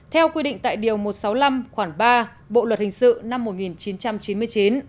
theo quy định tại điều một trăm sáu mươi năm khoảng ba bộ luật hình sự năm một nghìn chín trăm chín mươi chín